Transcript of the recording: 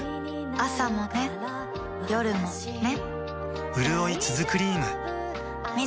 朝もね、夜もね